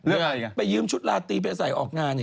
เลือกอะไรอย่างเงี้ยไปยืมชุดลาตีไปใส่ออกงาน